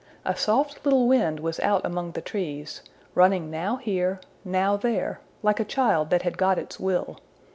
A soft little wind was out among the trees, running now here, now there, like a child that had got its will.